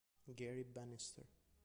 Gary Bannister